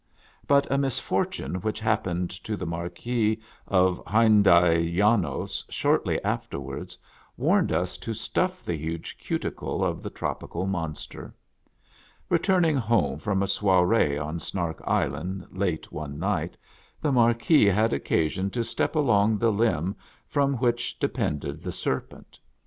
But a misfortune which happened to the Marquis of Hunyadi Janos shortly afterwards warned us to stuff the huge cuticle of the tropical monster. Returning home from a soiree on Snark Isl?nd late one night, the Marquis had occasion to step along the limb from which depended the serpent.